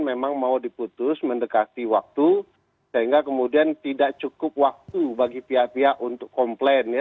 memang mau diputus mendekati waktu sehingga kemudian tidak cukup waktu bagi pihak pihak untuk komplain ya